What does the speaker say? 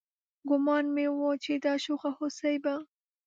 ګومان مې و چې دا شوخه هوسۍ به